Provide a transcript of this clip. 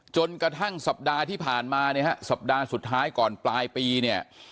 จนกระทั่งสัปดาห์ที่ผ่านมาเนี่ยฮะสัปดาห์สุดท้ายก่อนปลายปีเนี่ย